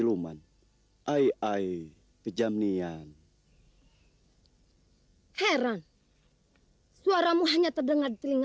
komen jok lagi